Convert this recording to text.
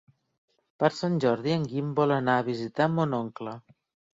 Per Sant Jordi en Guim vol anar a visitar mon oncle.